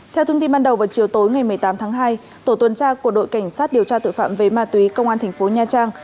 theo thông tin ban đầu vào chiều tối ngày một mươi tám tháng hai tổ tuần tra của đội cảnh sát điều tra tội phạm về ma túy công an thành phố nha trang